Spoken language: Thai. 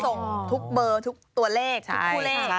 ส่งทุกเบอร์ทุกตัวเลขทุกคู่เลข